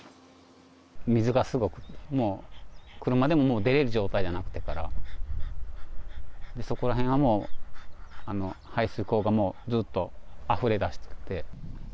水がすごくて、車でももう出れる状態じゃなくて、そこら辺はもう、排水溝がもうずっと、あふれ出しとって。